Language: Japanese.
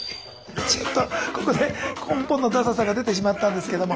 ちょっとここで根本のダサさが出てしまったんですけども。